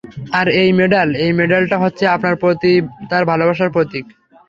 আর এই মেডাল, এই মেডালটা হচ্ছে আপনার প্রতি তার ভালোবাসার প্রতীক।